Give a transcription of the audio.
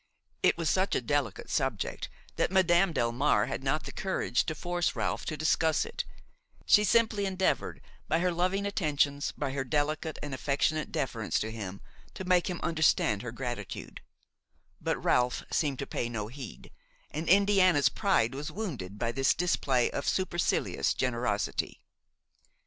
It was such a delicate subject that Madame Delmare had not the courage to force Ralph to discuss it; she simply endeavored, by her loving attentions, by her delicate and affectionate deference to him, to make him understand her gratitude; but Ralph seemed to pay no heed, and Indiana's pride was wounded by this display of supercilious generosity.